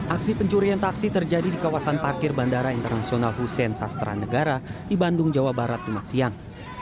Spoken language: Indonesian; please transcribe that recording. aksi pencurian taksi terjadi di kawasan parkir bandara internasional hussein sastra negara di bandung jawa barat jumat siang